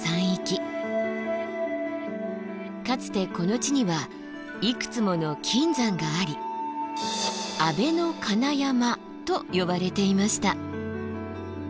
かつてこの地にはいくつもの金山があり安倍金山と呼ばれていました。